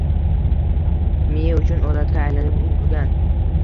Miya uchun odatga aylanib ulgurgan